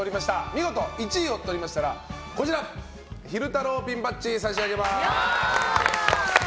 見事１位をとりましたら昼太郎ピンバッジを差し上げます。